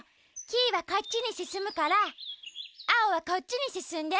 キイはこっちにすすむからアオはこっちにすすんで。